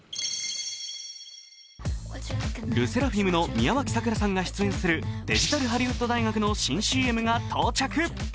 ＬＥＳＳＥＲＡＦＩＭの宮脇咲良さんが出演するデジタルハリウッド大学の新ＣＭが到着。